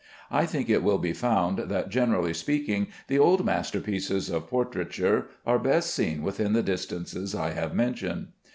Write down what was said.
I think it will be found that, generally speaking, the old masterpieces of portraiture are best seen within the distances I have mentioned.